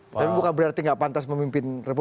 tapi bukan berarti gak pantas memimpin republik